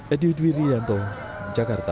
edwiri rianto jakarta